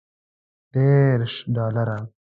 دېرش ډالره.